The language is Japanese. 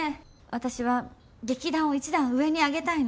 私は劇団を一段上に上げたいの。